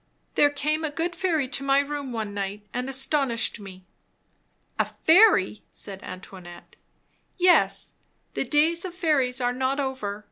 "There came a good fairy to my room one night, and astonished me." "A fairy!" said Antoinette. "Yes, the days of fairies are not over.